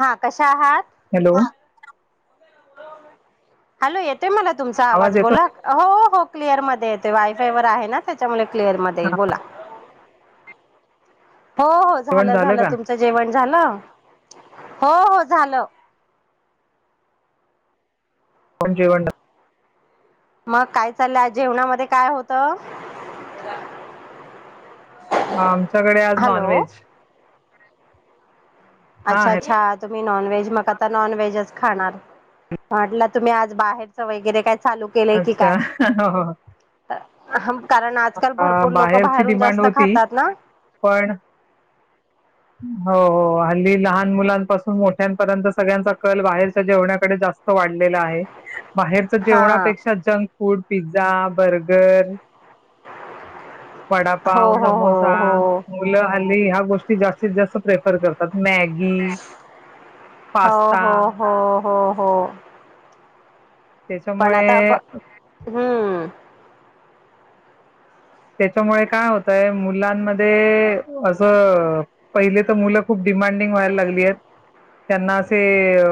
हां कशा आहात? हॅलो हा. हॅलो येत ते मला तुमचा आवाज बोला हो हो क्लिअर मध्ये येतोय वायफाय वर आहे ना. त्याच्यामुळे क्लिअर मध्ये येईल बोला. हो हो जेवण झालं झालं का तुमचं जेवण झालं? हो हो झालं [unintelligible] मग काय चाललंय जेवणामध्ये काय होत? ह आमच्याकडे आज नॉन हॅलो व्हेज. हा अच्छा आहे अच्छा तुम्ही नॉनव्हेज मग आता नॉनव्हेजच खाणार म्हटलं तुम्ही आज बाहेरच वगैरे काय चालू केलेय की अच्छा काय. हो हो कारण आजकाल अ, भरपूर लोक बाहेरची बाहेरून डिमांड जास्त होती खातात ना. पण [inaudible] हो हो हल्ली लहान मुलांपासून मोठ्यांपर्यंत सगळ्यांचा कल बाहेरच्या जेवण्याकडे जास्त वाढलेला आहे बाहेरच हा जेवणापेक्षा जंक फूड, पिझ्झा, बर्गर हो वडापाव, हो समोसा, हो मुलं हल्ली ह्या गोष्टी जास्तीत जास्त प्रेफर करतात मॅगी, हो पास्ता हो हो हो हो हो पण आता त्याच्यामुळे ब हम्म त्याच्यामुळे काय होतय मुलांमध्ये असं पहिले तर मुलं खूप डिमांडिंग व्हायला लागलीयत त्यांना ते अ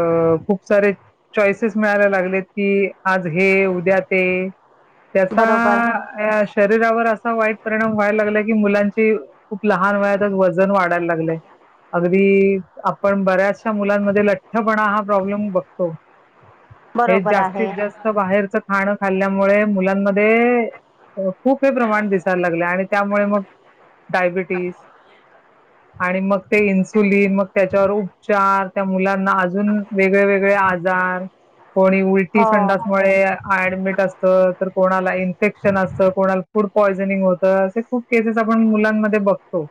खूप सारे चॉईसेस मिळायला लागलेत की, आज हे उद्या ते बरोबर त्याचा शरीरावर अ असा वाईट परिणाम व्हायला लागला की मुलांचे खूप लहान वयातच वजन वाढायला लागलय अगदी आपण बऱ्याचशा मुलांमध्ये लठ्ठपणा हा प्रॉब्लेम बघ हो हे बरोबर जास्तीत आहे जास्त बाहेरच खाणं खाल्ल्यामुळे मुलांमध्ये खूप हे प्रमाण लागल आणि त्यामुळे मग डायबेटिस आणि मग ते इन्सुलिन मग त्याच्यावर उपचार त्या मुलांना अजून वेगळे वेगळे आजा जार कोणी उल ती हो संडामुळे ऍडमिट असत तर कोणाला इन्फेक्शन असत कोणाला फुड पॉयझनिंग होतं असे खूप केसेस आपण मुलांमध्ये बघतो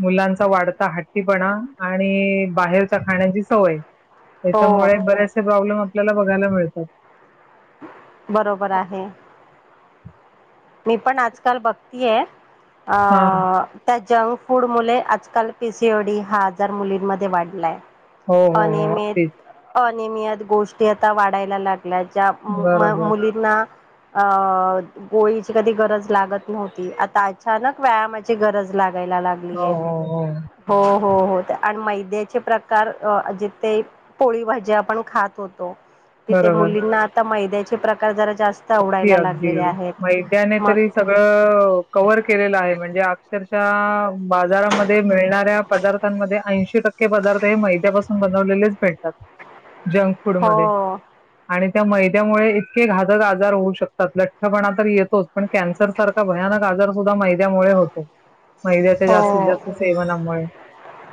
मुलांचा वाढता हट्टीपणा आणि बाहेरच्या खाण्याची सवय हो त्याच्यामुळे बरेचसे प्रॉब्लेम आपल्याला बघायला मिळतात बरोबर आहे. मी पण आजकाल बघतीय अ हा त्या जंक फूड मुले आजकाल पीसीओडी हा हजार मुलींमध्ये वाढलाय हो हो हो अनियमित अगदीच अनियमित गोष्टी आता वाढायला लागल्या ज्या बरोबर ना अ गोळीची कधी गरज लागत नव्हती आता अचानक व्यायामाची गरज लागायला लागली हो हो हो हो हो हो आणि मैद्याचे प्रकार जिथे पोळी भाजी आपणं खातं होतों तिथे बरोबर मुलींना आता मैद्याचे प्रकार जरा जास्तं अगदीं अगदीं मैदयांने मग तरी सगळं कव्हर केलेलं आहे म्हणजे अक्षरशः बाजारांमध्ये मिळणाऱ्या पदार्थांमंध्ये ऐंशी टक्के ईतके पदार्थ हे मैद्यापासून बनवलेलेच भेटतांत जंक फूड हो मध्ये आणि त्यां मैद्यामुळे इतके घातक आजा आजार होऊ शकतात लठ्ठपणां तर येतोचं पण कॅन्सर सारखा भयानक आजार सुद्धा मैद्यामुळे होतो मद्याच्या जास्तीत हो जास्त सेवनामुळे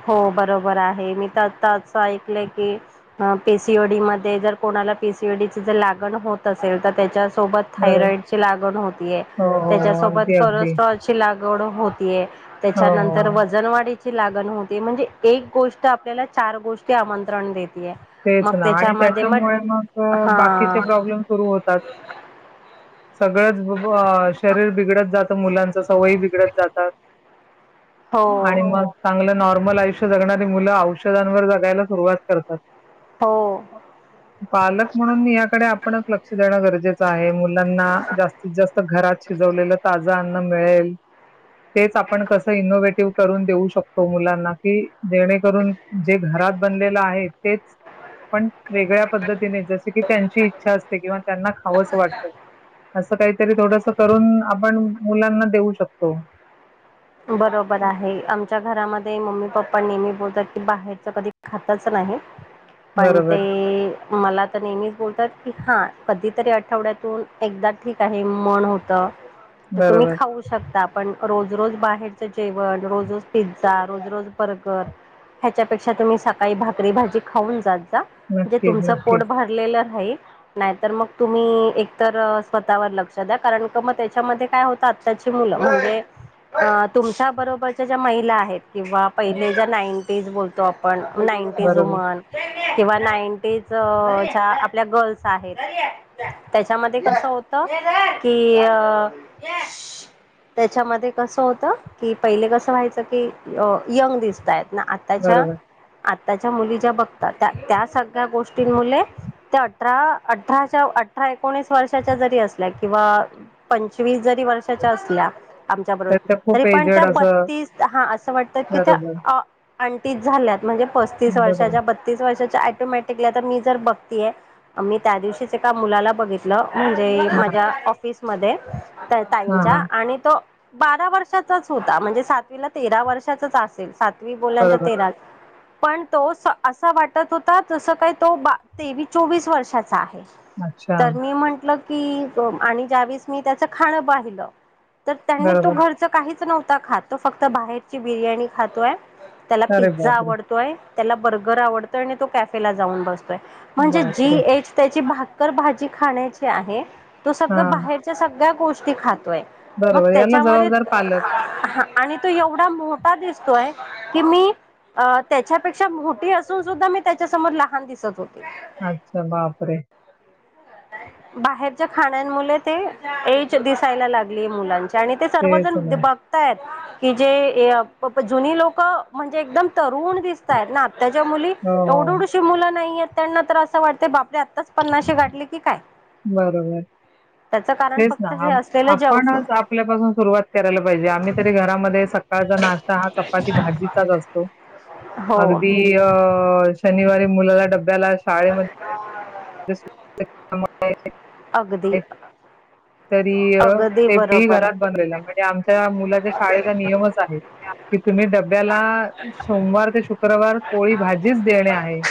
हो बरोबर आहे मी तरं आता असं ऐकलंय की अ पीसीओडी मध्यें जर कोणाला पीसीओडीची जर लागण होतं असेल तर त्यांच्या सोबत बरं. थायरॉइड ची लागणं होतीय हो, हो. त्यांच्यासोबत अगदी, अगदी. कोलेस्टेरॉल ची लागवड होतीय हो, हो. त्यांच्यानंतर व जनवाडीची लागणं होते म्हणजे एक गोष्ट आपल्यांला चार गोष्टीं आमंत्रण देते तेचं नां आणि त्यांच्यामुळे मगं हा बाकीचे प्रॉब्लेम सुरूं होतात सगळंच शरीर बिघडत जातं मुलांच सवयी बिघडत जातात हो आणि मग चागलं नॉर्मल आयुष्य जगणारी मुलं औषधांवर जगायला सुरुवांत करतात हो पालक म्हणून यांकडे आपणं लक्ष देणं गरजेचं आहे मुलांना जास्तीत जास्तं घरात शिजवलेलं ताजं अन्न मिळेल तेचं आपणं कसं इनोव्हेटिव्ह करून देऊ शकतो मुलांना की जेणेकरूंन जे घरांत बनलेलं आहे तेचं पणं वेगळ्या पद्धतीने जसे की त्यांची इच्छा असते किंवा त्यांना खावस वाटतं. असं काहीतरी थोडंस करून आपणं मुलांना देऊ शकतो. बरोबर आहे आमच्या घरांमध्ये मम्मी, पप्पा नेहमी बोलतात की बाहेरच कधी खातच नाही. [unintelligible] पण ते मला तर नेहमीच बोलतात की हां कधीतरी आठवड्यातून एकदा ठीक आहे मन होत तर तुम्हीं बरोबर. खाऊं शकतात पण रोज, रोज बाहेरच जेवणं रोज, रोज पिझ्झा, रोज, रोज बर्गर ह्याच्यापेक्षा तुम्हीं सकाळी भाकरी, भाजी खाऊंन जात जा नक्कीच, तुमचं पोट नक्कीच. भर भरलेलं राहील. नाहीं तर मग तुम्ही एकत्र स्वतःवर लक्ष द्या कारण की मगं त्यांच्यामध्ये काय होत. त्यांची मुलं म्हणजे अ तुमच्यां बरोबरच्यां ज्यां महिला आहेत किंवा पहिलें ज्या नाईंटीज बोलत बोलतो आपणं नाईंटीज बरोबर, ऊमन किंवा नाईंटीज च्या आपल्या गर्ल्स आहेत. त्यांच्यामध्ये कस होत कि अ त्यांच्यामध्ये कस होत की पहिले कस व्हायचं की यंग दिसतंय अंन आताच्या बरोबर. आत्ताच्या मुली ज्या बघतात त्या, त्या सगळ्यां गोष्टीं मुळे त्यां अठरा, अठराच्या अठरा एकोणीस वर्षाच्या जरी असल्या किंवा पंचवीस जरी वर्षाच्यां असल्या. त्यां बरोबर तर ते तरी खूप पणं एजेड त्यां असं बत्तीस हां असं वाटतं की बरोबर, त्यां आंणटीचं झाल्यातं म्हणजे पस्तीस बरोबर. वर्षाच्या बद वर्षा याॅटोमॅटिकली तरं मी जर बघतेय मी त्यां दिवशीच एका मुलाला बघितलं म्हणजे हां, माझ्या ऑफिस मध्ये हां, ताईंच्या हां. आणि तो बारा वर्षाचांच होता म्हणजे सातवीला तेरा वर्षाचांच असेलं सात मी बोलला तर बरोबर. तेराच पण तो असां वाटत होता जस काय तो तेवीस, चोवीस वर्षांचा आहे. अच्छा. तर मी म्हंटल की आणि ज्यावेळेस मी त्यांच खाण पाहिलं तर त्यांनी तो बरोबर. घरचं काहीच नव्हता खातं तो फक्तं बाहेरची बिर्याणी खातोय त्याला अरे पिझ्झा बापरे! आवडतोय, त्याला बर्गर आवडतोय आणि तो कॅफेला जाऊन बसतोय. म्हणजे जी बापरे! एच त्याची भाकर, भाजी खाण्याची आहे तो सगळं हां, बाहेर सगळ्या गोष्टी खातोय मग बरोबर. याला त्याच्यामध्ये जबाबदार पालक. आणि तो एवढा मोठा दिसतोय की मी अ त्याच्यापेक्षा मोठी असून सुद्धा मी त्याच्यासमोर लहान दिसत होते. अच्छा बापरे. बाहेरच्या खाण्यामुळे ते एज दिसायला लागली. मुलांच्या आणि ते तेच सर्वजण ना. की जे जुंनी लोकं म्हणजे एकदम तरुण दिसतय ना आत्ताच्या मुली हो, एवढ, हो. एढुशी मुलं नाहीय त्यांना तर असं वाटत बापरे पन्नाशी गाठली की काय बरोबर. त्याच कारण तेच ना. फक्त हे आप असलेलं जक आपणच आपल्यापासून सुरुवात करायला पाहिजे आम्ही तरी घरामध्ये सकाळचा नाश्ता हा चपाती, भाजीचाच असतो हो. अगदी शनिवारी मुलाला डब्याला शाळेमध्ये [inaudible] अगदी. तरी अगदी ते तेही बरोबर घरात बनलेलं म्हणजे आम आमच्या मुलाच्या शाळेचा नियमच आहेत की तुम्ही डब्याला सोमवार ते शुक्र शक्रवार पोळी भाजीच देणे आहे.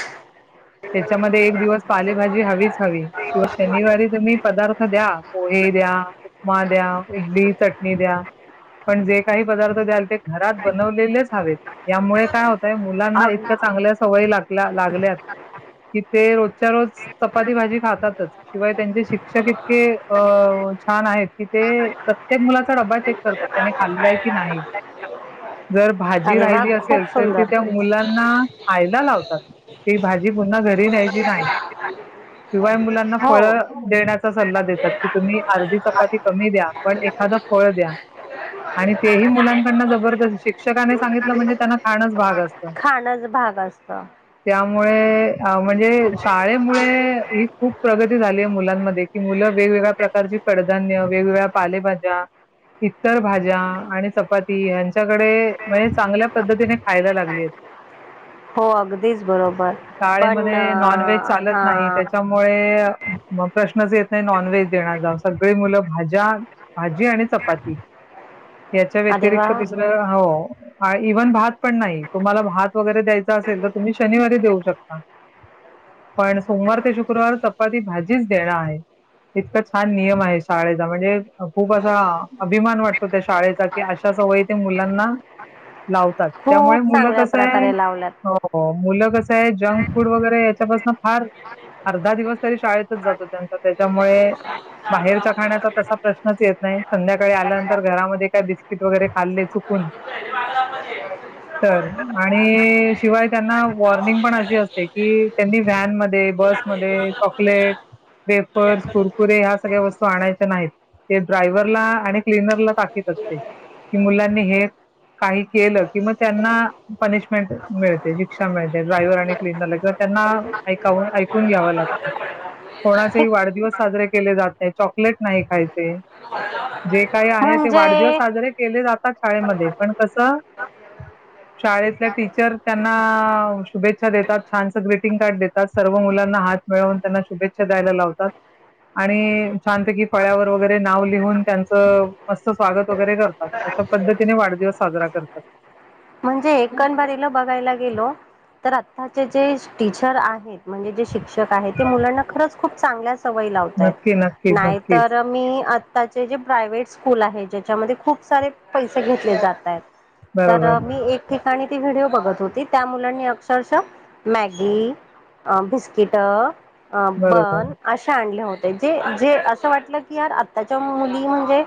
त्याच्यामध्ये एक दिवस पालेभाजी हवीच हवी किंवा शनिवारी तुम्ही पदार्थ द्या. पोहे द्या उपमा द्या इडली चटणी द्या पण जे काही पदार्थ द्याल ते घरात बनवलेलेच हवेत यामुळे काय होतय अ मुलांना इतक चांगल सवई लागल्या लागल्यात. कि ते रोजच्या रोज चपाती भाजी खातातच शिवाय त्यांचे शिक्षक इतके अ छान आहेत की ते प्रत्येक मुलाचा डबा चेक करतात त्याने खाल्लंय की नाही. जर भाजी अरे वा राहिली खूप असेल तर ते सुंदर त्या मुलांना खायला लावतात. ती भाजी पुन्हा घरी न्यायची नाही शिवाय मुलांना हो फळ देण्याचा सल्ला देतात की तुम्ही आर्धी चपाती कमी द्या पण एखादं फळ द्या. आणि तेही मुलांकडन जबरदस्ती शिक्षकाने सांगितलं म्हणजे त्यांना खाणंच भागच असतं. खाणच भाग असत त्यामुळे म्हणजे शाळेमुळे खूप प्रगती झाली आहे मुलांमध्ये कि मुलं वेगवेगळ्या प्रकारची कडधान्य वेगवेगळ्या पालेभाज्या इतर भाज्या आणि चपाती यांच्या त्याच्याकडे म्हणजे चांगल्या पद्धतीने खायला लागलीय. हो अगदीच बरोबर पण शाळेमध्ये नॉन व्हेज अं, चालत हा नाही त्याच्या मुळे प्रश्नच येत नाही नॉनव्हेज. देण्याचा सगळी मुलं भाज्या भाजी आणि चपाती याच्या अरे वा व्यतिरिक्त दुसर हो इव्हन भात पण नाही तुम्हाला भात वगैरे द्यायचा असेल तर तुम्ही शनिवारी देऊ शकता. पण सोमवार ते शुक्रवार चपाती भाजीच देणं आहे. इतका छान नियम आहे शाळेचा म्हणजे खूप असा अभिमान वाटतो त्या शाळेचा की अशा सवयी ते मुलांना लावतात त्यामुळे खूप मुलं चांगल्या कसंय प्रकारे हो लावल्यात हो मुलं कसय जंक फूड वगैरे याच्यापासून फार अर्धा दिवस शाळेत जात त्यां त्याच्यामुळे बाहेरच्या खाण्याचा तसा प्रश्न प्रश्च येत नाही संध्याकाळी आल्यानंतर घरामध्ये काय बिस्किट वगैरे खाल्ले चुकून [unintelligible] [inaudible] आणि शिवाय त्यांना वॉर्निंग पण अशी असते की त्यांनी व्हॅन मध्ये बस मध्ये चॉकलेट पर्स कुरकुरे ह्या सगळ्या वस्तू आणायच्या नाहीत ते ड्रायव्हरला आणि क्लिनरला ताकीत असते, की मुलांनी हे काही केलं, कि मग त्यांना पनिशमेंट मिळते शिक्षा मिळते ड्रायव्हर आणि क्लीनरला तर. त्यांना ऐकाव, ऐकून घ्याव लागतं, कोणा हे ते वाढदिवस साजरे केले जात नाही, चॉकलेट नाही खायचं. ते, जे काही आहे ते वाढदिवस म्हणजे साजरे केले जातात शाळेमध्ये, पण कस शाळेतल्या टीचर त्यांना शुभेच्छा देतात, छानसं ग्रीटिंग कार्ड देतात, सर्व मुलांना हात मिळवून त्यांना शुभेच्छा जायला लावतात आणि छानपैकी फळ्यावर वगैरे नाव लिहून त्यांचं मस्त स्वागत वगैरे करतात, अशा पद्धतीने वाढदिवस साजरा करतात. म्हणजे एकंदरीतला बघायला गेलो तर आत्ताचे जे टीचर आहेत म्हणजे जे शिक्षक आहेत ते मुलांना खरंच खूप चांगल्या सवय नक्की लावतायेत नक्कीच नक्कीच नाहीतर मी आताचे जे प्रायव्हेट स्कूल आहे ज्याच्यामध्ये खूप सारे पैसे घेतले जात आहेत. तर बरोबर मी एक ठिकाणी ती व्हिडिओ बघत होती त्या मुलांनी अक्षरशा मॅगी अ बिस्किट अ बरोबर बन असे आणले होते जे, जे असं वाटलं की यार आत्ताच्या मुली जे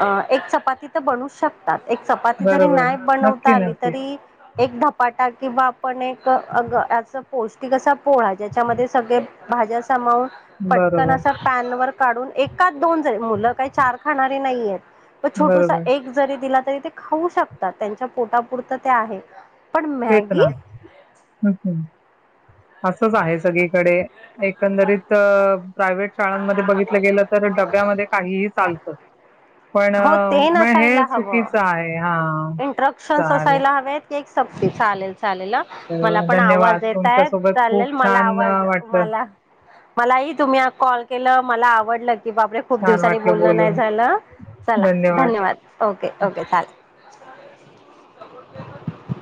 अ एक चपाती तर बनवू शकत एक चपाती जरी बरोबर नाही बनवता नक्की आली नक्कीच तरी एक धपाटा किंवा आपण एक अग या पौष्टिक असा पोळा ज्याच्यामध्ये सगळे भाज्या सामावून पटकन बरोबर असं पॅनवर काढून एकाद दोन जाईल मुलं काही चार खाणारी नाहीयेत. पण छोटूसा बरोबर एक जरी दिला तरी ते खाऊ शकतात त्यांच्या पोटापुरत ते आहे. पण तेच मॅगी ना हम्म, हम्म असंच आहे सगळीकडे. एकंदरीत प्रायवेट शाळांमध्ये बघितलं गेलं तर डब्यामध्ये काहीही चालत. पण हो ते म हे चुकीचं आहे हा. इन्स्ट्रक्शन असायला हवेत की एक सक्ती चालेल, चालेल हा. मला बरोबर पण आवाज धन्यवाद. देतायेत तुमच्यासोबत खूप चालेल मला छान अ, आवाज वाटलं. मला मलाही तुम्ही हा कॉल केल्यावर मला आवडलं. कि बापरे खूप छान दिवसानी वाटलं बोलण नाही बोलून. झालं चला धन्यवाद, ओके, ओके चालेल. [inaudible]